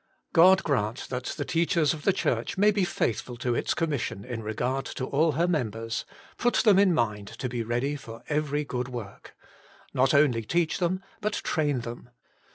God grant that the teachers of the Church may be faithful to its commission in regard to all her members —' Put them in mind to be ready for every good work.' Not only teach them, but train them.